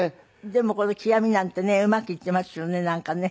でもこの「極」なんてねうまくいっていますよねなんかね。